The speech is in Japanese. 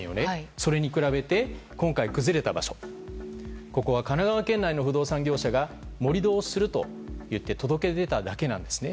それに比べて今回崩れた場所は神奈川県内の不動産業者が盛り土をするといって届け出ただけなんです。